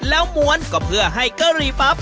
แล้วม้วนก็เพื่อให้กะหรี่ปั๊บ